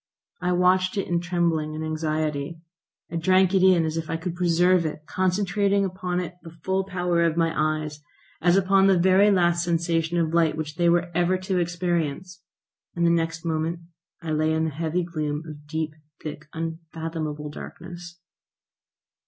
I watched it in trembling and anxiety; I drank it in as if I could preserve it, concentrating upon it the full power of my eyes, as upon the very last sensation of light which they were ever to experience, and the next moment I lay in the heavy gloom of deep, thick, unfathomable darkness.